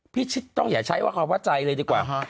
ชิดต้องอย่าใช้ว่าคำว่าใจเลยดีกว่า